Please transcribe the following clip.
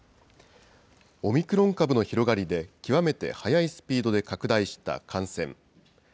オミクロン株の広がりで、極めて速いスピードで拡大した感染。